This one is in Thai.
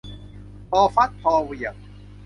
พอฟัดพอเหวี่ยง